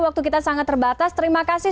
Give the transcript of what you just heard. waktu kita sangat terbatas terima kasih